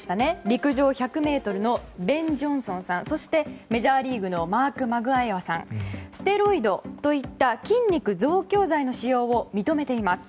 陸上１００ｍのベン・ジョンソンさんそして、メジャーリーグのマーク・マグワイアさんステロイドといった筋肉増強剤の使用を認めています。